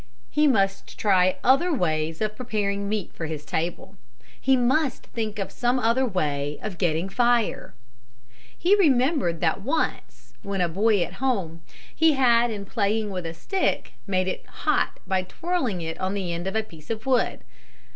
He must try other ways of preparing meat for his table. He must think of some other way of getting fire. He remembered that once, when a boy at home, he had in playing with a stick made it hot by twirling it on end on a piece of wood.